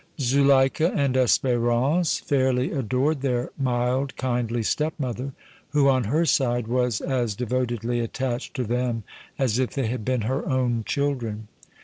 Zuleika and Espérance fairly adored their mild, kindly stepmother, who, on her side, was as devotedly attached to them as if they had been her own children.